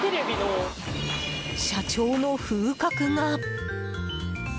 社長の風格が！